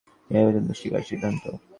ইহাই বেদান্তের দ্বিতীয় প্রকার সিদ্ধান্ত।